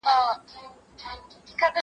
زه کولای سم قلم استعمالوم کړم؟!